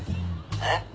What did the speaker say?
えっ？